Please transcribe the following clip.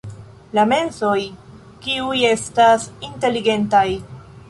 La mensoj kiuj estas inteligentaj.